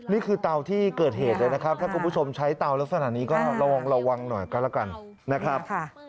นี่คือเตาที่เกิดเหตุเลยนะครับคุณผู้ชมใช้เตาแล้วสถานีก็ระวังหน่อยกันละกันนะครับ